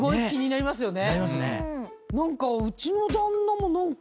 なりますね。